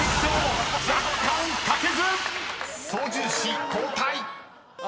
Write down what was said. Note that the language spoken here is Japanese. ［操縦士交代］